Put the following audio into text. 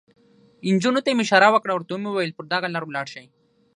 نجونو ته مې اشاره وکړه، ورته مې وویل: پر دغه لار ولاړ شئ.